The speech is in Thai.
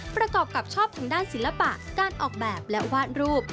ประกอบกับชอบทางด้านศิลปะการออกแบบและวาดรูป